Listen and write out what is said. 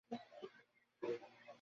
আরো অনেক আসছে!